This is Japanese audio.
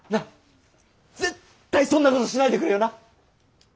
絶対そんなことしないでくれよな。